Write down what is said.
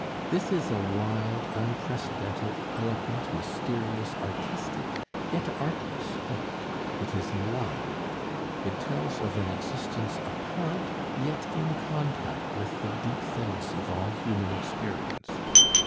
This is a wild, unprecedented, eloquent, mysterious, artistic yet artless book; it is alive; it tells of an existence apart, yet in contact with the deep things of all human experience.